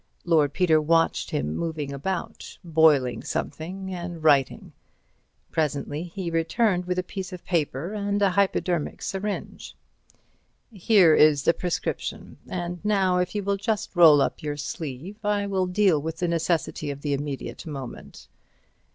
Lord Peter watched him moving about—boiling something and writing. Presently he returned with a paper and a hypodermic syringe. "Here is the prescription. And now, if you will just roll up your sleeve, I will deal with the necessity of the immediate moment."